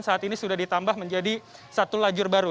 saat ini sudah ditambah menjadi satu lajur baru